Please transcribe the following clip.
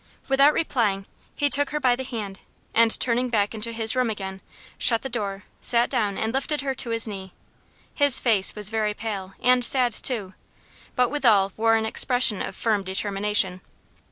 Without replying, he took her by the hand, and turning back into his room again, shut the door, sat down, and lifted her to his knee. His face was very pale and sad, too, but withal wore an expression of firm determination.